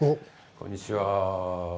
こんにちは。